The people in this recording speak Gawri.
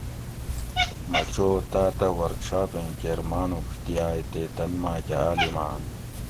مہۤ چو تاۤتہ ورکشاپ ایں کیر ماۤنُوڄ دیاگ تے تن ماۤکہۤ عالماۤن